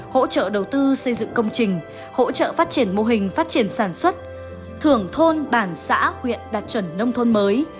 hỗ trợ đầu tư xây dựng công trình hỗ trợ phát triển mô hình phát triển sản xuất thưởng thôn bản xã huyện đạt chuẩn nông thôn mới